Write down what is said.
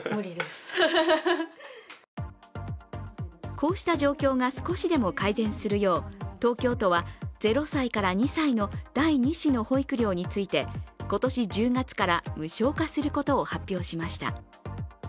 こうした状況が少しでも改善するよう、東京都は０歳から２歳の第２子の保育料について、今年１０月から無償化することを発表しました。